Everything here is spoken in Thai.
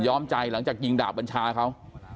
้อมใจหลังจากยิงดาบบัญชาเขา